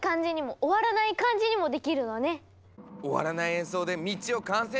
終わらない演奏で道を完成させるぞ！